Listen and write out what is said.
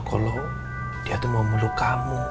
kalo dia tuh mau meluk kamu